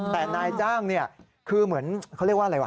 แต่นายจ้างเนี่ยคือเหมือนเขาเรียกว่าอะไรวะ